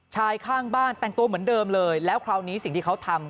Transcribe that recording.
ชายข้างบ้านแต่งตัวเหมือนเดิมเลยแล้วคราวนี้สิ่งที่เขาทำ